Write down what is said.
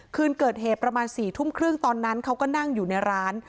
คืนเกิดเหตุประมาณ๔ทุ่มครึ่งตอนนั้นเขาก็นั่งอยู่ในร้าน